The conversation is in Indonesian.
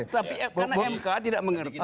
tapi karena mk tidak mengerti